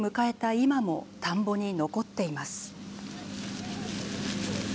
今も田んぼに残っています。